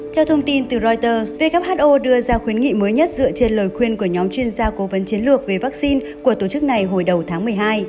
theo thông tin từ reuters who đưa ra khuyến nghị mới nhất dựa trên lời khuyên của nhóm chuyên gia cố vấn chiến lược về vaccine của tổ chức này hồi đầu tháng một mươi hai